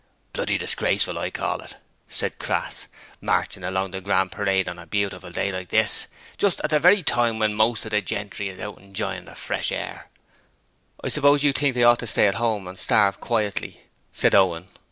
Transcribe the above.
'Bloody disgraceful, I call it,' said Crass, 'marchin' along the Grand Parade on a beautiful day like this, just at the very time when most of the gentry is out enjoyin' the fresh hair.' 'I suppose you think they ought to stay at home and starve quietly,' said Owen.